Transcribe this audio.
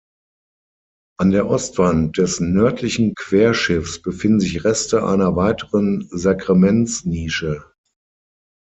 An der Ostwand des nördlichen Querschiffs befinden sich Reste einer weiteren Sakramentsnische.